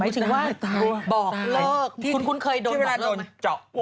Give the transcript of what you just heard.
ถูกศึกว่าบอกเลิกคุณเคยบอกเลิก